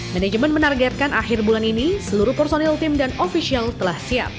manajemen menargetkan akhir bulan ini seluruh personil tim dan ofisial telah siap